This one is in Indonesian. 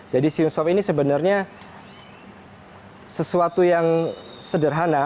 jadi sim swap ini sebenarnya sesuatu yang sederhana